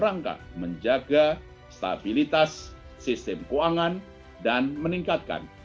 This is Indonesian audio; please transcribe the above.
rangka menjaga stabilitas sistem keuangan dan meningkatkan